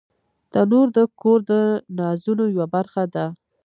تنور د کور د نازونو یوه برخه ده